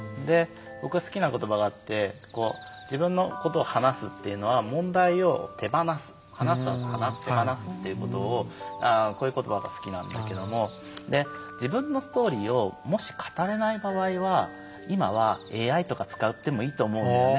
僕が好きな言葉があって自分のことを話すというのは問題を手放すという言葉が好きなんですが自分のストーリーをもし語れない場合は今は、ＡＩとか使ってもいいと思うんだよね。